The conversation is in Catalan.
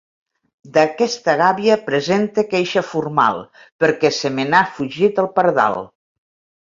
D'aquesta gàbia presente queixa formal, perquè se me n'ha fugit el pardal!